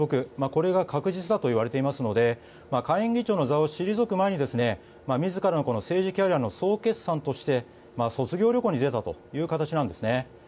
これが確実だといわれていますので下院議長の座を退く前に自らの政治キャリアの総決算として卒業旅行に出たという形なんです。